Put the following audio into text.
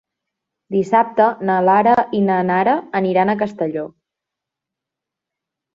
Dissabte na Lara i na Nara aniran a Castelló.